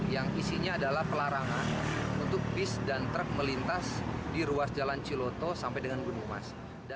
yang isinya adalah pelarangan untuk bis dan truk melintas di ruas jalan ciloto sampai dengan gunung mas